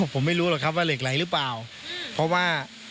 ผมไม่รู้หรอกครับว่าเหล็กไหลหรือเปล่า